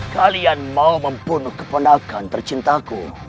kalian mau membunuh keponakan tercintaku